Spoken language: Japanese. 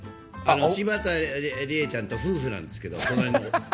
柴田理恵ちゃんと夫婦なんですけれども。